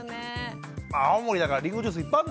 青森だからリンゴジュースいっぱいあんのよ。